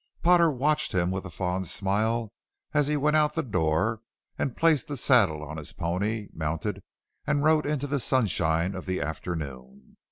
Potter watched him with a fond smile as he went out the door and placed the saddle on his pony, mounted and rode into the sunshine of the afternoon.